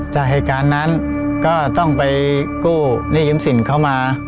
จากแห่งการนั้นก็ต้องไปกู้นี่ยิ้มสินเข้ามา